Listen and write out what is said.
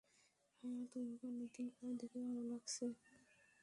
ভাইয়া, তোমাকে অনেক দিন পর দেখে ভালো লাগছে!